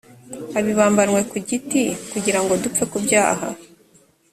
abibambanwa ku giti kugira ngo dupfe ku byaha